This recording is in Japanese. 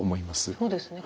そうですね。